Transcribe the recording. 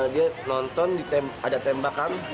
dia nonton ada tembakan